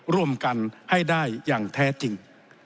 ร่วมกันให้ได้อย่างแท้จริง